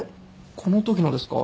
このときのですか？